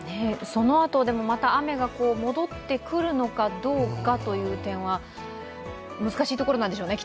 そのあと、でもまた雨が戻ってくるのかどうかという点は難しいところ何でしょうね